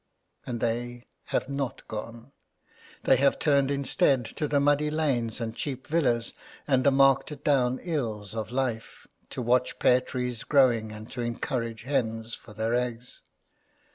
And they have not gone. They have turned instead to the muddy lanes and cheap villas and the marked down ills of life, to watch pear trees growing and to encourage hens for their eggs.